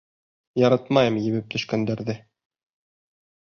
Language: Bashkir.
Яратмайым ебеп төшкәндәрҙе.